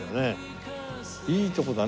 いいとこだね。